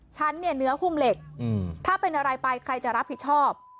ฉันเนี่ยเนื้อหุ้มเหล็กถ้าเป็นอะไรไปใครจะรับผิดชอบ